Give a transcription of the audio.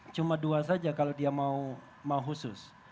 cuma dua saja kalau dia mau khusus